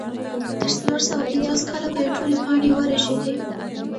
تر څلور سوه پنځوس کاله پورې ټولې پاڼې ورژېدې.